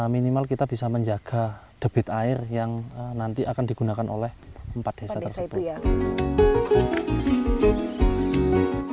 minimal kita bisa menjaga debit air yang nanti akan digunakan oleh empat desa tersebut